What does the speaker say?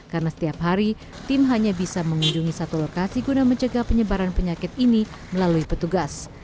karena setiap hari tim hanya bisa mengunjungi satu lokasi guna menjaga penyebaran penyakit ini melalui petugas